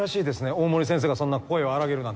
大森先生がそんな声を荒らげるなんて。